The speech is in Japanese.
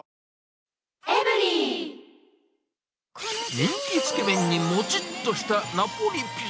人気つけ麺に、もちっとしたナポリピザ。